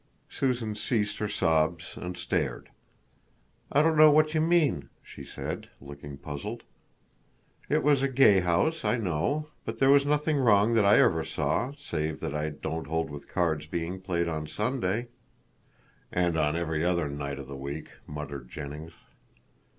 Susan ceased her sobs and stared. "I don't know what you mean," she said, looking puzzled. "It was a gay house, I know; but there was nothing wrong that I ever saw, save that I don't hold with cards being played on Sunday." "And on every other night of the week," muttered Jennings.